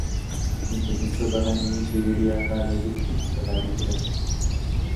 কিন্তু মিত্রবাহিনীর ব্রিগেডিয়ার তার এ যুক্তি মানতে রাজি ছিলেন না।